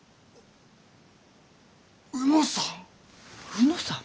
卯之さん！